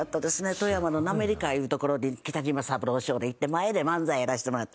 富山の滑川いう所で北島三郎ショーでいって前で漫才やらせてもらった。